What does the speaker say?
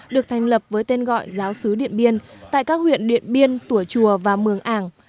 được thành lập với tên gọi giáo sứ điện biên tại các huyện điện biên tủa chùa và mường ảng